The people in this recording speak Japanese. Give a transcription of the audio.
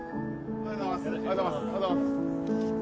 おはようございます。